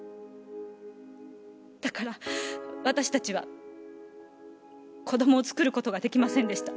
だから私たちは子供を作る事が出来ませんでした。